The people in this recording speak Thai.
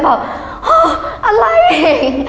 แบบฮ่ออะไรเอง